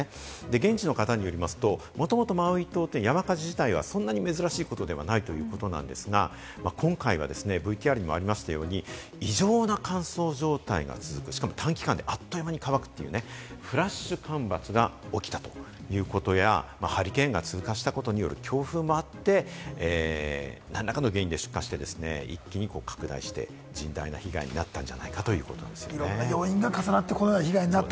現地の方によりますと、もともとマウイ島は山火事自体はそんなに珍しいことではないということなんですが、今回はＶＴＲにもありましたように、異常な乾燥状態が続く、しかも短期間であっという間に乾くというフラッシュ干ばつが起きたということや、ハリケーンが通過したことによる強風もあって、何らかの原因で出火して、一気に拡大して甚大な被害になったんじゃないかということですね。